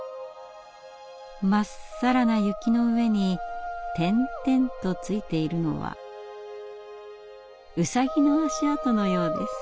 真っさらな雪の上に点々とついているのはウサギの足跡のようです。